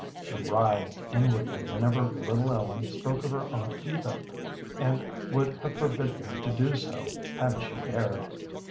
She writhed inwardly whenever little Ellen spoke of her aunt Eva, and would have forbidden her to do so had she dared.